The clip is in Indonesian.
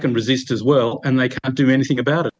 dan mereka tidak bisa melakukan apa apa